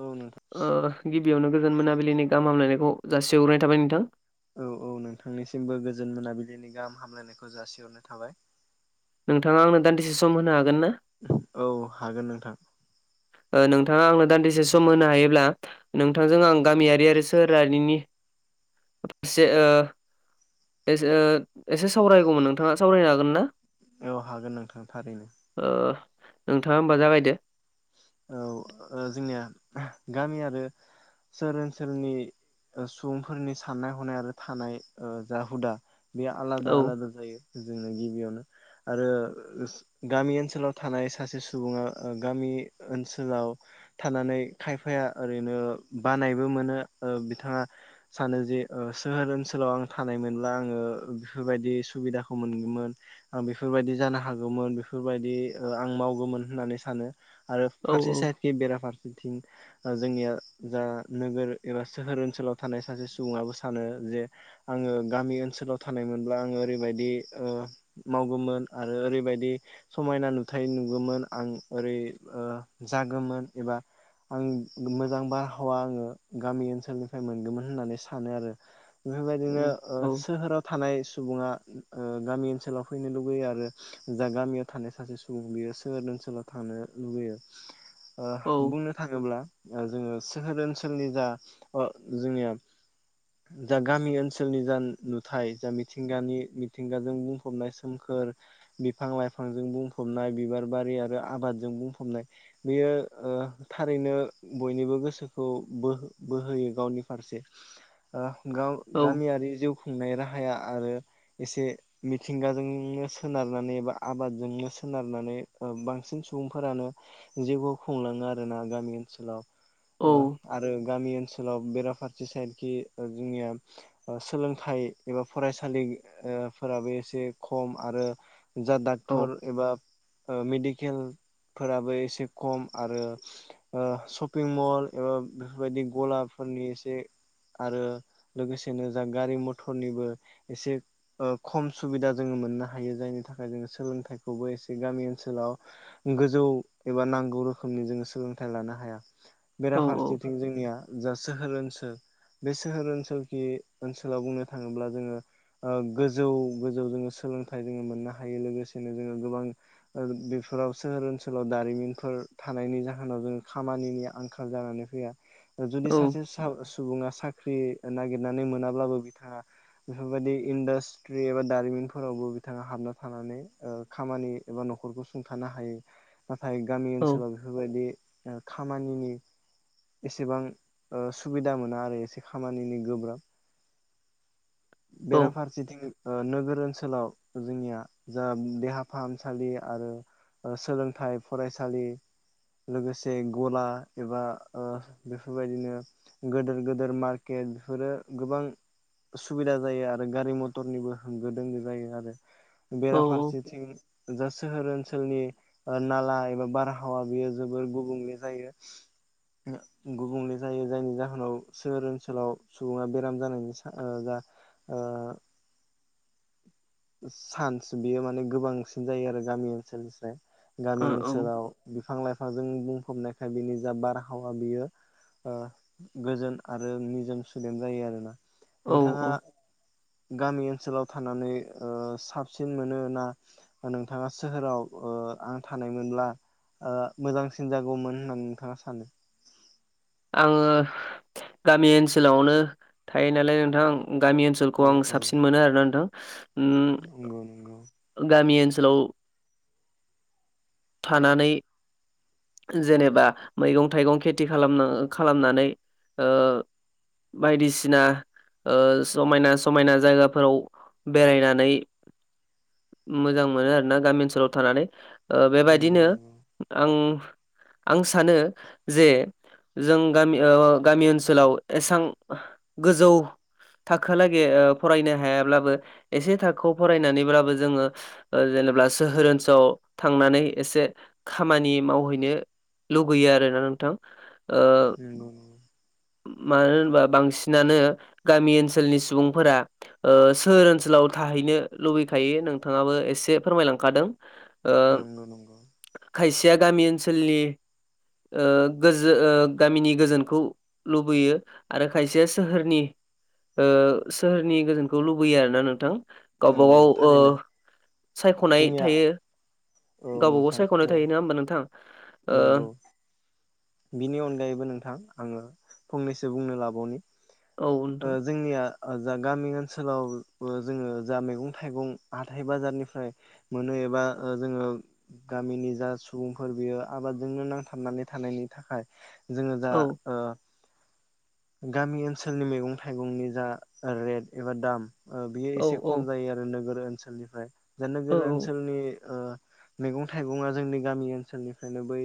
औ नोंथां ओ गिबियावनो गोजोन मोनाबिलिनि गाहाम हामलायनायखौ जासिहरनाय थाबाय नोंथां। औ औ नोंथांनिसिमबो गोजोन मोनाबिलिनि गाहाम हामलायनायखौ जासिहरनाय थाबाय। नोंथाङा आंनो दान्दिसे सम होनो हागोन ना? औ हागोन नोंथां। नोंथाङा आंनो दान्दिसे सम होनो हायोब्ला नोंथांजों आं गामियारि आरो सोहोरारिनि,, से ओ,, ए एसे सावरायगौमोन नोंथाङा सावरायनो हागोन ना? औ हागोन नोंथां थारैनो। ओ नोंथाङा होमबा जागायदो। औ जोंनिया गामि आरो,, सोहोर ओनसोलनि सुबुंफोरनि साननाय हनाय आरो थानाय जा हुदा,, बेयो औ आलादा- आलादा जायो। जोंनो गिबियावनो आरो गामि ओनसोलाव थानाय सासे सुबुङा ओ गामि,, ओनसोलाव थानानै खायफाया ओरैनो बानायबो मोनो ओ बिथाङा,, सानो जे सोहोर ओनसोलाव आं थानाय मोनब्ला आङो बेफोरबायदि सुबिदाखौ मोनगोन। आं बेफोरबायदि जानो हागौमोन बेफोरबायदि आं मावगौमोन होननानै सानो,, आरो औ फारसे साइदनि बेराफार,, थिं जोंनिया जा नोगोर एबा सोहोर ओनसोलाव थानाय सासे सुबुङाबो सानो,, जे आङो गामि ओनसोलाव थानायमोनब्ला आङो ओरैबायदि मावगौमोन आरो,, ओरैबायदि समायना नुथाय नुगौमोन आं ओरै,, जागोमोन एबा,, आं मोजां बारहावा आङो गामि ओनसोलनिफ्राय मोनगौमोन होननानै सानो आरो,, बेफोरबायदिनो औ सोहोराव थानाय,, सुबुङा गामि ओनसोलाव फैनो लुुबैयो आरो जा गामियाव थानाय सासे सुबुं बियो सोहोर,, ओनसोलाव थांनो लुबैयो ओ औ बुंनो थाङोब्ला,, जोङो सोहोर ओनसोलनि जा ओ जोंनिया,, जा गामि ओनसोलनि जा नुथाय जा मिथिंगानि मिथिंगाजों बुंफबनाय सोमख खोर बिफां लाइफांजों बुंफबनाय बिबार बारि आरो आबादजों बुं फबनाय बेयो ओ थारैनो बयनिबो गोसोखौ बोहोयो गावनि [unintelligible] ओ औ गामियारि जिउ खुंनाय राहाया आरो एसे मिथिंगाजोंनो सोनारनानै एबा आबादजोंनो सो नानै बांसिन सुबुं फोरानो जिउखौ खुंलाङो आरोना गामि ओनसोलाव ओ आरो गामि ओन ओनसोलाव बेराफारसे साइडखि जोंनिया सोलोंथाइ एबा फरायसालि फोराबो एसे खम आरो जा औ डक्टर एबा ओ मेडिकेल फोराबो एसे खम आरो शपिं मल एबा बेफोरबायदि गलाफोर नि एसे आरो लोगोसेनो जा गारि मथरनिबो एसे ओ खम सुबिदा जोङो मोननो हायो जायनि थाखाय जोङो सोलोंथाइखौबो एसे गामि ओनसोलाव गोजौ एबा नांगौ रोखोमनि जोङो सोलोंथाइ लानो हाया। औ बेराफारसेथिं जोंनिया जा सोहोर ओनसोल बे सोहोर ओनसोलखि ओनसोलाव बुंनो थाङोब्ला जोङो ओ गोजौ गोजौ जोङो सोलोंथाइ जोङो मोननो हायो लोगोसेनो जोङो गोबां ओ बेफोराव सोहोर ओनसोलाव दारिमिनफोर थानायनि जाहोनाव जोङो खामानिनि आंखाल जानानै फैया। जुदि औ सासे सु सुबुङा साख्रि नागिरनानै मोनाब्लाबो बिथाङा बेफोरबायदि इडास्ट्रि एबा दारिमिन फोरावबो बिथाङा हाबना थानानै ओ खामानि एबा न'खरखौ सुंथानो हायो। हायो नाथाय गामि औ ओनसोलाव बेफोरबायदि खामानिनि एसेबां ओ सुबिदा मोना आरो एसे खामानिनि गोब्राब। [inaudible] बेराफारसेथिं ओ नोगोर ओनसोलाव जोंनिया जा देहा फाहामसालि आरो सोलोंथाइ फरायसालि लोगोसे गला एबा ओ बेफोरबायदिनो गेदोर गेदोर मार्केट बेफोरो गोबां सुबिदा जायो आरो गारि मथरनिबो होंगो दोंगो जायो आरो। बेराफारसेथिं जा सोहोर ओनसोलनि नाला एबा बारहावा बेयो जोबोर गुबुंले जायो। गुबुंले जायो जायनि जाहोनाव सोहोर ओनसोलाव सुबुङा बेराम जानायनि जा ओ। [inaudible] चान्स बेयो माने गोबांसिन जायो आरो गामि ओनसोलनिफ्राय गामि ओनसोलाव बिफां लाइफांजों बुंफबनायखाय बिनि जा बारहावा बियो ओ गोजोन आरो निजोम सुदेम जायो आरोना औ औ नोंथाङा औ गामि ओनसोलाव थानानै साबसिन ओ मोनो ना नोंथाङा सोहोराव ओ आं थानायमोनब्ला मोजांसिन जागौमोन होननानै नोंथाङा सानो आङो गामि ओनसोलावनो थायो नालाय नोंथां गामि औ ओनसोलखौ आं औ साबसिन मोनो आरोना नोंथां नंगौ नंगौ ओम गामि ओनसोलाव थानानै जेनेबा मैगं थाइगं खेथि खालाम खालामनानै ओ बायदिसिना ओ समायना समायना जायगाफोराव बेरायनानै मोजां मोनो आरो ना गामि ओनसोलाव थानानै ओ नंगौ बेबायदिनो नंगौ आं आं सानो जे जों गामि गामि ओनसोलाव एसां गोजौ थाखो लागे फरायनो हायाब्लाबो एसे थाखोआव फरायनानैब्लाबो जोङो ओ होनोब्ला सोहोर ओनसोलाव थांनानै एसे खामानि मावहैनो लुबैयो आरोना नोंथां ओ औ मानो होनबा बांसिनानो गामि ओनसोलनि सुबुंफोरा सोहोर ओनसोलाव थां थाहैनो लुबैखायो नोंथाङाबो एसे फोरमायलांखादों ओ नंगौ नंगौ खायसेया गामि ओनसोलनि गामिनि गोजोनखौ लुबैयो आरो खायसेया सोहोरनि ओ सोहोरनि गोजोनखौ लुबैयो आरोना नोंथां गावबा नंगौ गाव थारैनो सायख'नाय जोंनिया थायो औ गावबागाव नोंथां सायख'नाय ओ थायोना होमबा नोंथां ओ नंगौ बिनि अनगायैबो नोंथां आङो फंनैसो बुंनो लाबावनि औ ओ नोंथां जोंनिया जा गामि ओनसोलाव जोङो जा मैगं थाइगं हााइ बाजारनिफ्राय मोनै एबा जोङो गामिनि जा सुबुंफोर बियो आबादजोंनो नांथाबनानै थानायनि थाखाय जोङो दा औ ओ गामि ओनसोलनि मैगं थाइगंनि जा रेट एबा दाम बेयो औ एसे खम जायो आरो नोगोर ओनसोलनिफ्राय दा औ नोगोर ओनसोलनि ओ मैगं थाइगं आ जोंनि गामि ओनसोलनिफ्रायनो बै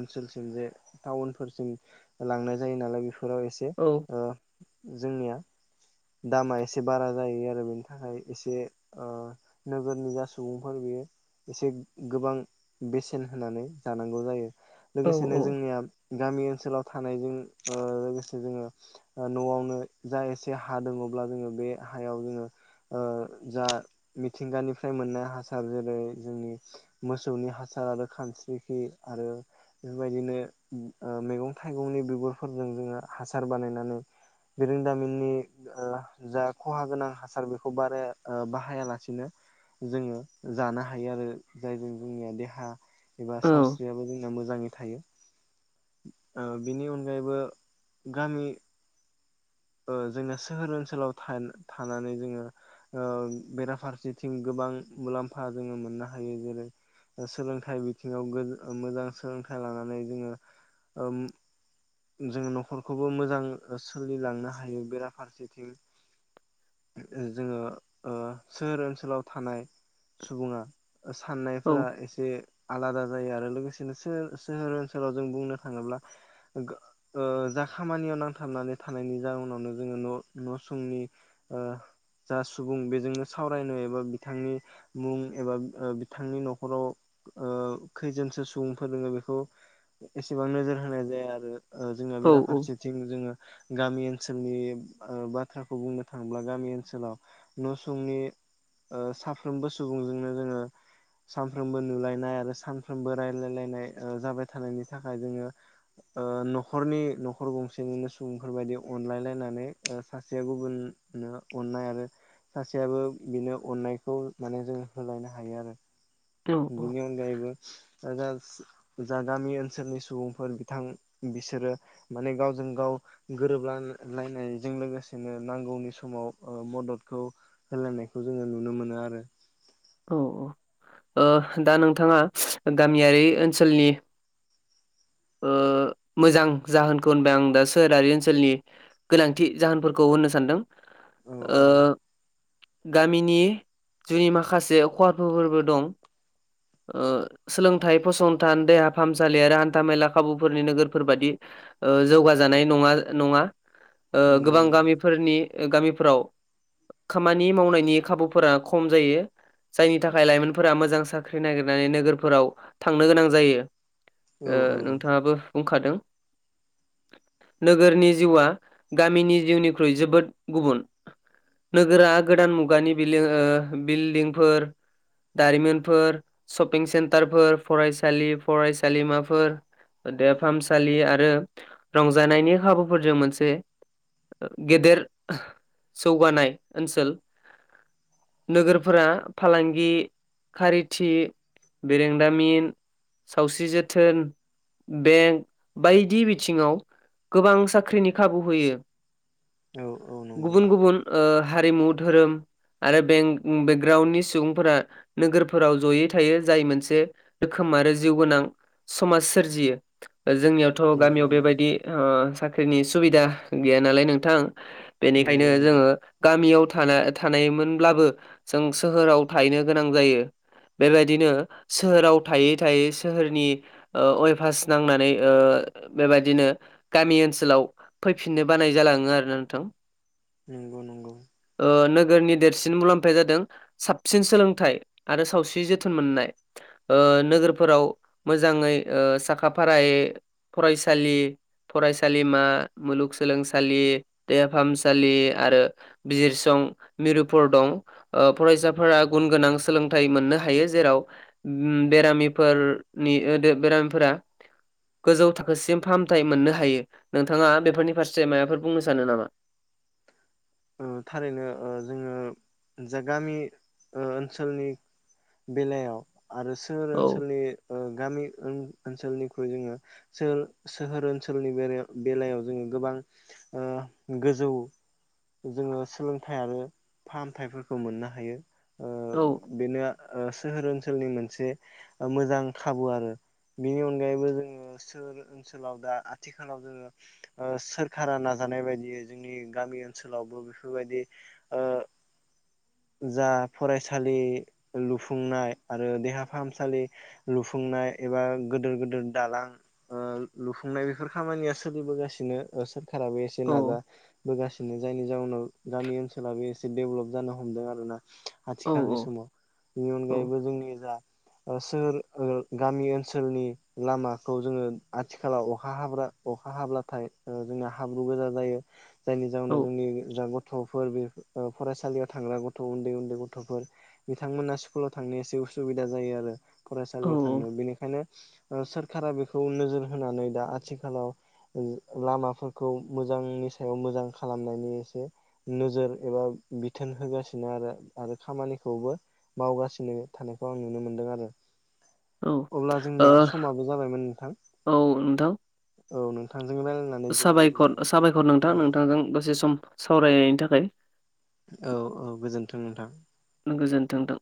ओनसोलसिम जे टाउनफोरसिम लांनाय जायो नालाय बेफोराव एसे औ ओ जोंनिया दामा एसे बारा जायो आरो बेनि थाखाय एसे नोगोरनि जा सुबुंफोर बेयो एसे गोबां बेसेन होनानै जानांगौ जायो औ लोगोसेनो जोंनिया गामि ओनसोलाव थानायजों लोगोसे जोङो न'आवनो जा एसे हा दङब्ला जोङो बे हायाव जोङो जा मिथिंगानिफ्राय मोननाय हार जेरै जोंनि मोसौनि हासार आरो खानस्रिखि आरो बेबायदिनो मैगं थाइगंनि बिगुरफोरजों जोङो हासार बानायनानै बिरोंदामिननि जा खहा गोनां हासार बेखौ बाराया बाहायालासिनो जोङो जानो हायो आरो जायजों जोंनिया देहा एबा औ औ सावस्रियाबो जोंना मोजाङै थायो बेनि अनगायैबो गामि जोंना सोहोर ओनसोलाव थानानै जोङो बेराफारसेथिं गोबां मुलाम्फा जोङो मोननो हायो जेरै सोलोंथाइ बिथिङाव मोजां सोलोंथाइ लानानै जोङो जों न'खरखौबो मोजां सोलिलांनो हायो बेराफारसेथिं जोङो सोहोर ओनसोलाव थानाय सुबुङा औ साननायफोरा एसे आलादा जायोआरो लोगोसेनो सोहोर ओनसोलाव जों बुंनो थाङोब्ला खामानि याव नांथाबनानै थानायनि जाउनावनो जोङो न न' सुंनि जा सुबुं बेजोंनो सावरायनो एबा बिथांनि मुं एबा बिथांनि न'खराव खैजोनसो सुबुं फोरोङो बेखौ एसेबां नोजोर होनाय जाया आरो जोंङो बेराफारसेथिं जोङो गामि ओनोल ओनसोलनि बाथ्राखौ बुंनो थाङोब्ला गामि ओनसोलाव न' संनि साफ्रोमबो सुबुंजोंनो जोङो सानफ्रोमबो नुलायनाय आरो सानफ्रोमबो रायलायलायनाय जाबाय थानायनि थाखाय जोङो न'खरनि न'खर गंसेनिनो सुबुंफोर बायदियाव अनलाय लायनानै सासेया गुबुननो अननाय आरो सासेयाबो बिनो अननायखौ माने जों होलायनो हायो आरो औ बिनि अनगायैबो आरो सि जा गामि ओनसोलनि सुबुंफोर बिथां बिसोरो माने गावजों गाव गो रोबलान लायनायजों लोगोसेनो नांगौनि समाव ओ मददखौ होलायनायखौ जोङो नुनो मोनो आरो। औ औ ओ दा नोंथाङा गामियारि ओनसोलनि [inaudible] ओ मोजां जाहोनखौ होनबाय आं दा सोहोरारि ओनसोलनि गोनांथि जाहोनफोरखौ होननो सानदों। औ ओ औ गामिनि जुयै माखास से खहाफोरबो दं। ओ सोलोंथाइ फसंथान देहा फाहामसालि आरो हान्था मेला खाबुफोरनि नोगोरफोर बादि ओ जौगाजानाय नङा नङा ओ नंगौ गोबां नंगौ गामिफोरनि गामिफोराव खामानि मावनायनि खाबुफोरा खम जायो। जायनि थाखाय लाइमोनफोरा मोजां साख्रि नागिरनानै नोगोरफोराव थांनो गोनां जायो। औ ओ औ नोंथाङाबो बुंखादों नोगोरनि जिउआ गामिनि जिउनिख्रुइ जोबोद गुबुन‌। नोगोरा गोदान मुगानि बिलों ओ बिल्दिंफोर दारिमिनफोर शपिं सेन्टारफोर फरायसालि फरायसालिमाफोर ओ देहा फाहामसालि आरो रंजानायनि खाबुफोरजों मोनसे ओ गेदेर जौगानाय ओनसोल। नोगोरफोरा फालांगि खारिथि बेरेंदामिन सावस्रि जोथोन बेंक बायदि बिथिङाव गोबां साख्रिनि खाबु होयो। औ औ नंगौ गुबुन गुबुन ओ हारिमु धोरोम आरो बें ओ बेकग्राउनि सुबुंफोरा नोगोरफोराव जयै थायो जाय मोनसे रोखोम आरो जिउ गोनां समाज सोरजियो। ओ जोंनियावथ' नंगौ गामियाव नंगौ बेबायदि ओ साख्रिनि सुबिदा गैया नालाय नोंथां बेनिखायनो नंगौ नंगौ जोङो गामियाव थाना थानायमोनब्लाबो जों सोहोराव थाहैनो गोनां जायो। बेबायदिनो सोहोराव थायै थायै सोहोरनि ओ अइभास नांनानै ओ ओ बेबायदिनो गामि ओनसोलाव फैफिननो बानाय जालाङो आरोना नोंथां। नोंगौ नोंगौ। ओ नोगोरनि देरसिन मुलाम्फाया जादों साबसिन सोलोंथाइ आरो सावस्रि जोथोन मोननाय ओ नोगोरफोराव मोजाङै ओ साखा फारायै फरायसालि फरायसालिमा मुलुगसोलोंसालि देहा फाहामसालि आरो बिजिरसं सं मिरुफोर दं ओब फरायसाफोरा गुन गोनां सोलोंथाइ मोननो हायो जेराव अम बेरामिफोरनि ओ दो बेरामिफोरा गोजौ थाखोसिम फाहामथाय मोननो हायो नोंथाङा बेफोरनि फारसे मायबाफोर बुंनो सानो नामा? [inaudible] ओ थारैनो ओ जोङो जा गामि ओ ओनसोलनि बेलायाव आरो सोहोर औ ओनसोलनि ओ गामि ओन ओनसोलनिख्रुइ जोङो सोहोल सोहोर ओनसोलनि बेरायाव बेलायाव जोङो गोबां ओ गोजौ [inaudible] जोङो सोलोंथाइ आरो फाहामथाइफोरखौ मोननो हायो ओ औ बेनो आ ओ सोहोर ओनसोलनि मोनसे ओ मोजां खाबु आरो। बेनि अनगायैबो जोङो सोहोर ओनसोलाव दा आथिखालाव जोङो ओ सोरखारा नाजा जानाय बायदियै जोंनि गामि ओनसोलावबो बेफोरबायदि ओ [inaudible] जा फरायसालि लुफुंनाय आरो देहा फाहामसालि लुफुंनाय एबा गोदोर गोदोर दालां ओ लुफुंनाय बेफोर खामानिया सोलिबोगासिनो ओ सो खाराबो एसे औ नाजाबोगासि नो जायनि जाउनाव गामि ओनसोलाबो एसे डेभलप जानो हमदों आरो ना। औ आथिखालनि समाव बेनि औ अनगायैबो जोंनि जा ओ सोहोर ओ गामि ओनसोलनि लामाखौ जोङो आथिखालाव अखा हाब्रा अखा हाब्लाथाय ओ जोंना हाब्रु गोजा जायो जायनि औ जाहोनाव जोंनि जा थफोर बे ओ फरायसालियाव थांग्रा गथ उन्दै उन्दै गथफोर बिथांमोना स्कुलाव थांनाय एसे उ उसुबिदा जायो आरो औ फरायसालियाव थांनो बेनिखायनो ओ सोरखारा बेखौ नोजोर होनानै दा आथिखालाव ओ लामाफोरखौ मोज मोजांनि सायाव मोजां खालामनायनि एसे नोजोर एबा बिथोन होगासिनो आरो आरो खामानिखौबो मावगासिनो थानायखौ आं नुनो मोनदों आरो औ अब्ला जोंनिया समाबो जाबायमोन नोंथां ओ औ नोंथां औ नोंथां साबायखर साबायखर नोंथां औ नोंथांजों दसे सम सावरायनायनि थाखाय औ औ गोजोन्थों नोंथां गोजोनथों नोंथां